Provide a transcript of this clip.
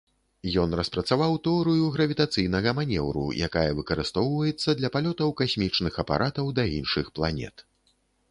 Ён распрацаваў тэорыю гравітацыйнага манеўру, якая выкарыстоўваецца для палётаў касмічных апаратаў да іншых планет.